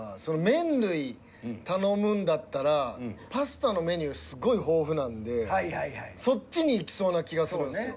麺類頼むんだったらパスタのメニューすごい豊富なんでそっちにいきそうな気がするんすよ。